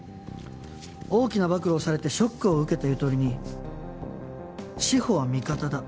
大きな暴露をされてショックを受けたゆとりに「志法は味方だ」